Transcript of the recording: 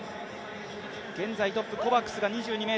現在トップ、コバクスが２２ｍ６３。